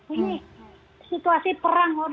ini situasi perang